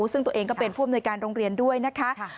ซึ่งตัวเองก็เป็นผู้อำนวยการโรงเรียนด้วยนะคะ